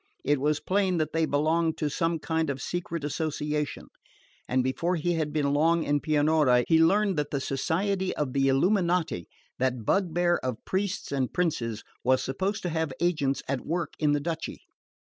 It was plain that they belonged to some kind of secret association; and before he had been long in Pianura he learned that the society of the Illuminati, that bugbear of priests and princes, was supposed to have agents at work in the duchy.